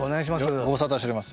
ご無沙汰しております。